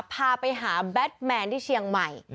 พาไปหาแบทแมนที่เชียงใหม่